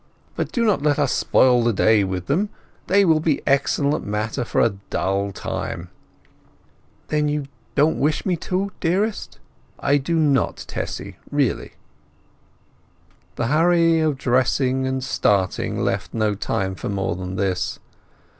But do not let us spoil the day with them; they will be excellent matter for a dull time." "Then you don't wish me to, dearest?" "I do not, Tessy, really." The hurry of dressing and starting left no time for more than this.